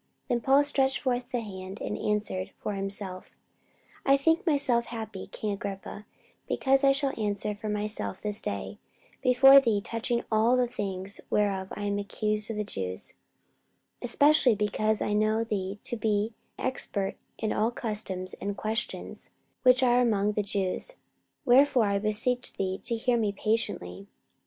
Then Paul stretched forth the hand, and answered for himself: 44:026:002 I think myself happy, king Agrippa, because I shall answer for myself this day before thee touching all the things whereof I am accused of the Jews: 44:026:003 Especially because I know thee to be expert in all customs and questions which are among the Jews: wherefore I beseech thee to hear me patiently.